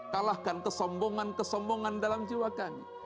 kalahkan kesombongan kesombongan dalam jiwa kami